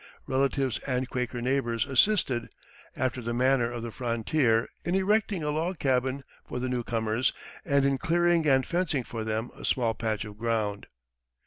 Relatives and Quaker neighbors assisted, after the manner of the frontier, in erecting a log cabin for the new comers and in clearing and fencing for them a small patch of ground.